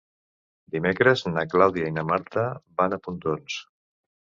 Dimecres na Clàudia i na Marta van a Pontons.